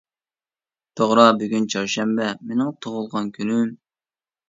توغرا بۈگۈن چارشەنبە، مىنىڭ تۇغۇلغان كۈنۈم.